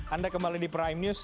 anda kembali di prime news